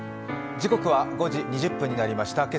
時刻は５時２０分になりました。